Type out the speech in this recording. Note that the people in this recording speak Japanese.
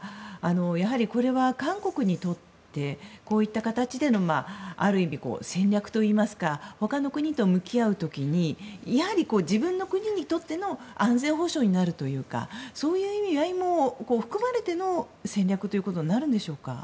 やはり、これは韓国にとってこういった形でのある意味戦略といいますか他の国と向き合う時に自分の国にとっての安全保障になるというかそういう意味合いも含まれての戦略ということになるんでしょうか。